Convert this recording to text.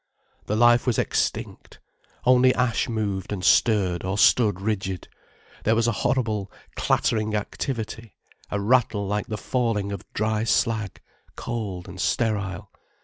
The life was extinct, only ash moved and stirred or stood rigid, there was a horrible, clattering activity, a rattle like the falling of dry slag, cold and sterile.